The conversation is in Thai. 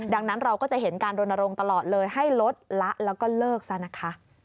ดังนั้นเราก็จะเห็นการรณรงค์ตลอดเลยให้ลดละแล้วก็เลิกซะนะคะ